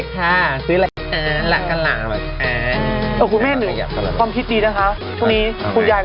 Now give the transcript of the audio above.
ช่วงนี้คุณยายกำลังขายหอมหมกอยู่คุณแม่ก็ต้องไปเต้นแบบนี้บ้าง